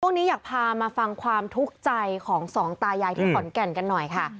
อยากพามาฟังความทุกข์ใจของสองตายายที่ขอนแก่นกันหน่อยค่ะ